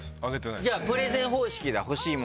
じゃあプレゼン方式だ欲しい物があって。